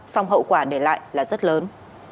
song hậu quả để lại là rất lớn